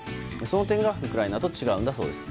その点がウクライナと違うんだそうです。